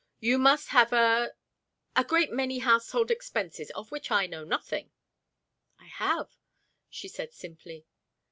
You must have a a great many household expenses of which I know nothing." "I have," she said simply.